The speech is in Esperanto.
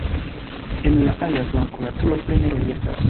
En la alia flanko la turo plene reliefas.